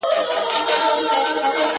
نو زه یې څنگه د مذهب تر گرېوان و نه نیسم.